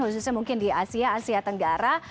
khususnya mungkin di asia asia tenggara